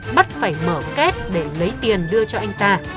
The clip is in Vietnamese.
bắt phải mở két để lấy tiền đưa cho anh ta